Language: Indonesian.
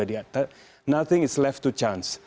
jadi tidak ada yang terlepas